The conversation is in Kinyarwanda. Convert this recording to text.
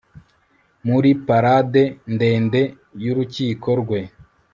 Muri parade ndende yurukiko rwe